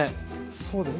そうですね。